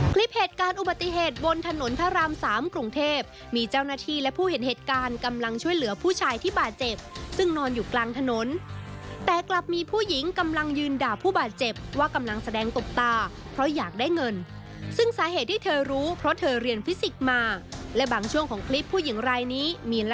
คลิปเหตุการณ์อุบัติเหตุบนถนนพระรามสามกรุงเทพมีเจ้าหน้าที่และผู้เห็นเหตุการณ์กำลังช่วยเหลือผู้ชายที่บาดเจ็บซึ่งนอนอยู่กลางถนนแต่กลับมีผู้หญิงกำลังยืนด่าผู้บาดเจ็บว่ากำลังแสดงตบตาเพราะอยากได้เงินซึ่งสาเหตุที่เธอรู้เพราะเธอเรียนฟิสิกส์มาและบางช่วงของคลิปผู้หญิงรายนี้มีล